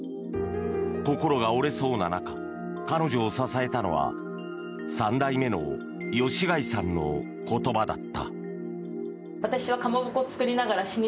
心が折れそうな中彼女を支えたのは３代目の吉開さんの言葉だった。